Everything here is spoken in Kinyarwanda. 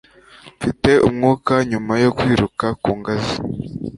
Mfite umwuka nyuma yo kwiruka ku ngazi